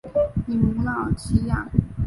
以母老乞养。